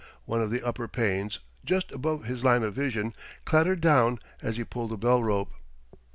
One of the upper panes, just above his line of vision, clattered down as he pulled the bell rope.